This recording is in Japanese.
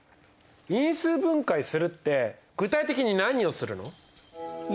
因数分解するって具体的に何をするの？